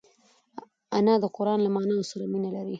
انا د قران له معناوو سره مینه لري